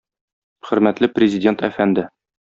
Хөрмәтле Президент әфәнде!